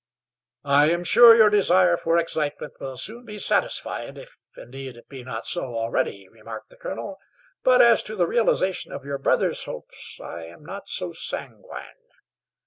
"I am sure your desire for excitement will soon be satisfied, if indeed it be not so already," remarked the colonel. "But as to the realization of your brother's hopes I am not so sanguine.